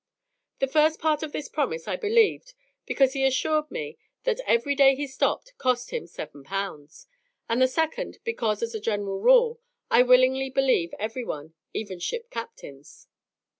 The first part of this promise I believed, because he assured me that every day he stopped cost him 7 pounds; and the second, because, as a general rule, I willingly believe every one, even ship captains.